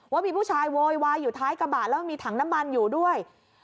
ว่ามีผู้ชายโวยวายอยู่ท้ายกระบะแล้วมีถังน้ำมันอยู่ด้วย